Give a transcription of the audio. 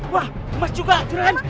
wah emas juga curan